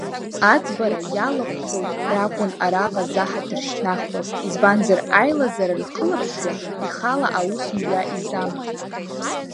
Аӡбара иалахәхоз ракәын араҟа заҳаҭыр шьҭнахуаз, избанзар аилазара рхылаԥшҩы ихала аус мҩа изамҭеит.